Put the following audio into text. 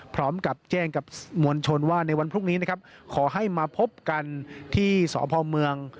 พร้อมกับแจ้งกับมวลชนว่าในวันพรุ่งนี้นะครับขอให้มาพบกันที่สพเมือง